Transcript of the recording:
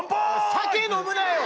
酒飲むなよ！